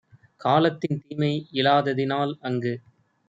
காலத்தின் தீமை இலாததினால் அங்கு